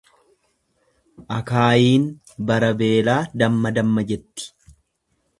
Akaayiin bara beelaa damma damma jetti.